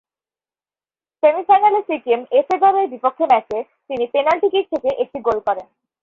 সেমিফাইনালে সিকিম এফএ দলের বিপক্ষে ম্যাচে তিনি পেনাল্টি কিক থেকে একটি গোল করেন।